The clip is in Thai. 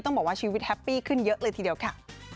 บอกว่าชีวิตแฮปปี้ขึ้นเยอะเลยทีเดียวค่ะ